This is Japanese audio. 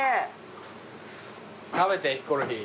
食べてヒコロヒー。